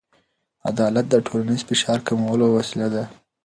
عدالت د ټولنیز فشار کمولو وسیله ده.